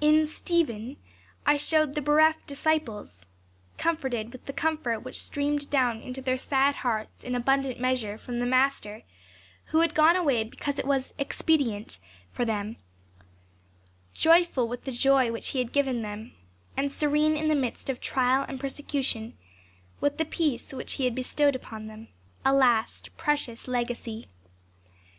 In "Stephen." I showed the bereft disciples, com forted with the comfort which streamed down into their sad hearts in abundant measure from the Master who had gone away because it was "expedient" for them, joyful with the joy which he had given them, and serene in the midst of trial and persecution with the peace which he had bestowed upon them, a last precious legacy.